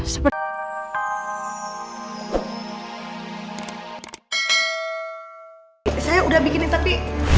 saya udah bikin ini tapi